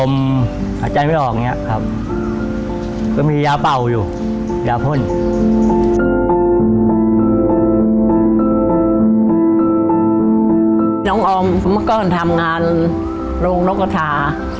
มักก้อนทำงานรวมนกชา